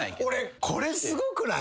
これすごくない？